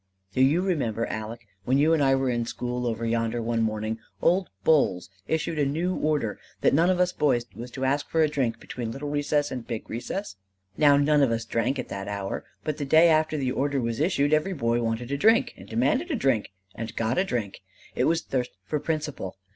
"Do you remember, Aleck, when you and I were in the school over yonder and one morning old Bowles issued a new order that none of us boys was to ask for a drink between little recess and big recess? Now none of us drank at that hour; but the day after the order was issued, every boy wanted a drink, and demanded a drink, and got a drink. It was thirst for principle.